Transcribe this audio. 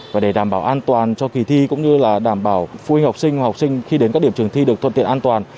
và để đảm bảo an toàn cho kỳ thi cũng như là đảm bảo phụ huynh học sinh và học sinh khi đến các điểm trường thi được thuận tiện an toàn